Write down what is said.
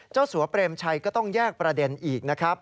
สัวเปรมชัยก็ต้องแยกประเด็นอีกนะครับ